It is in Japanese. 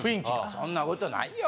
そんなことないよ。